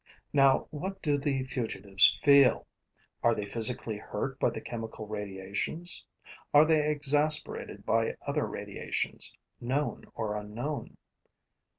Now what do the fugitives feel? Are they physically hurt by the chemical radiations? Are they exasperated by other radiations, known or unknown?